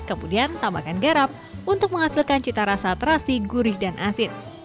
kemudian tambahkan garam untuk menghasilkan cita rasa terasi gurih dan asin